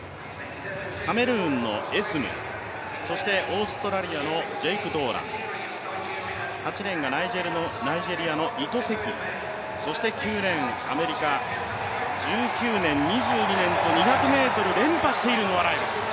カメルーンのエスム、オーストラリアのジェイク・ドーラン、８レーンがナイジェリアのイトセキリ、９レーン、アメリカ、１９年、２２年と２００ｍ連覇しているノア・ライルズ。